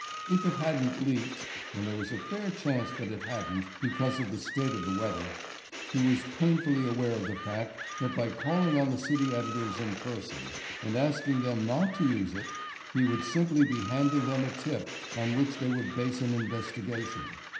If it hadn't "leaked"—and there was a fair chance that it hadn't—because of the state of the weather—he was painfully aware of the fact that by calling on the city editors in person and asking them not to use it he would simply be handing them a tip on which they would base an investigation.